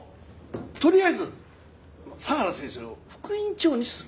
とりあえず相良先生を副院長にする。